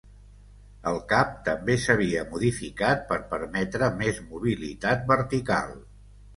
El cap també s'havia modificat per permetre més mobilitat vertical.